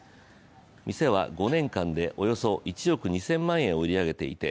店は５年間で、およそ１億２０００万円を売り上げていて